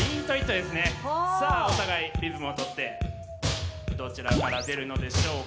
さあお互いリズムを取ってどちらから出るのでしょうか。